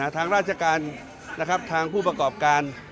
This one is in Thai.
ทางราชการนะครับทางผู้ประกอบการ